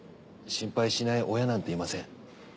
心配しない親なんていません。